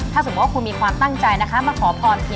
ถ้าสมมุติว่าคุณมีความตั้งใจ